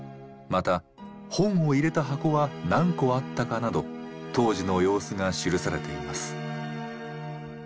また本を入れた箱は何個あったかなど当時の様子が記されています。